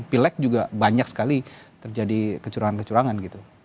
pilek juga banyak sekali terjadi kecurangan kecurangan gitu